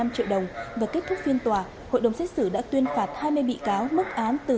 bảy mươi hai năm triệu đồng và kết thúc phiên tòa hội đồng xét xử đã tuyên phạt hai mươi bị cáo mức án tử